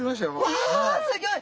うわあすギョい！